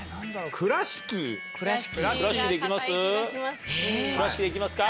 倉敷でいきますか？